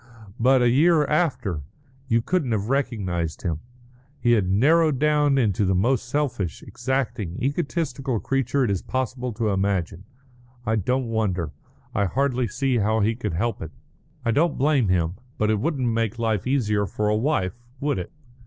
But a year after! You couldn't have recognised him. He had narrowed down into the most selfish, exacting, egotistical creature it is possible to imagine. I don't wonder; I hardly see how he could help it; I don't blame him. But it wouldn't make life easier for a wife, would it?